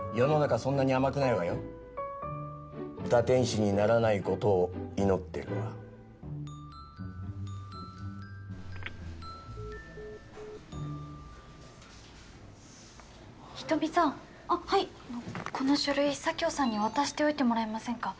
そんなに甘くないわよ堕天使にならないことを祈ってるわ人見さんあっはいこの書類佐京さんに渡しておいてもらえませんか？